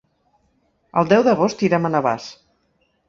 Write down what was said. El deu d'agost irem a Navàs.